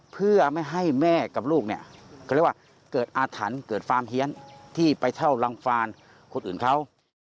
เพื่อไม่ให้แม่กับลูกเนี่ยเขาเรียกว่าเกิดอาถรรพ์เกิดฟาร์มเฮียนที่ไปเท่ารังฟานคนอื่นเขา